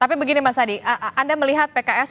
tapi begini mas adi anda melihat pks